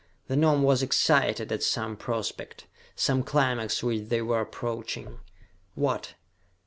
The Gnome was excited at some prospect, some climax which they were approaching. What?